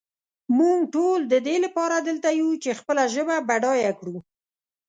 مونږ ټول ددې لپاره دلته یو چې خپله ژبه بډایه کړو.